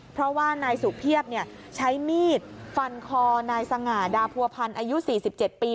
เพราะว่านายสุเพียบใช้มีดฟันคอนายสง่าดาผัวพันธ์อายุ๔๗ปี